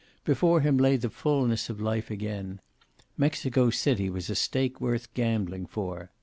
Before him lay the fulness of life again. Mexico City was a stake worth gambling for.